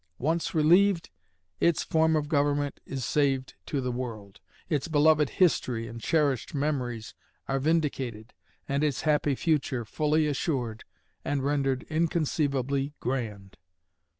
Once relieved, its form of government is saved to the world, its beloved history and cherished memories are vindicated, and its happy future fully assured and rendered inconceivably grand.